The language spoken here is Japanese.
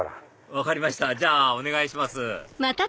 分かりましたじゃあお願いします